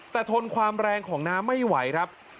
แต่ทนความแรงของน้ำไม่ไหวครับ